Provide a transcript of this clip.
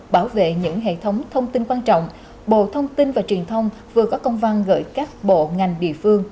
bảo vệ những hệ thống thông tin quan trọng bộ thông tin và truyền thông vừa có công văn gửi các bộ ngành địa phương